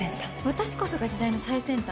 私こそが時代の最先端。